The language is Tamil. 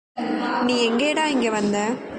நீ எங்கேடா இங்கே வந்தே!